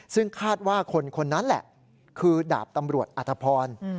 ซึ่งคาดว่าคนคนนั้นแหละคือดาบตำรวจอธพร